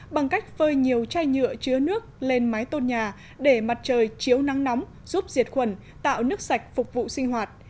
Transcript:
bằng cách phơi nhiều chai nhựa chứa nước lên mái tôn nhà để mặt trời chiếu nắng nóng giúp diệt khuẩn tạo nước sạch phục vụ sinh hoạt